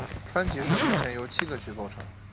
川崎市目前由七个区构成。